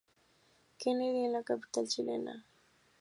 Kennedy de la capital chilena.